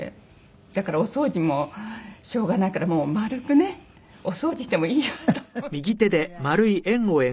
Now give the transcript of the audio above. だからお掃除もしょうがないからもう丸くねお掃除してもいいやと思って。